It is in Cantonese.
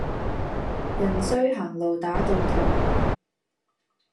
人衰行路打倒褪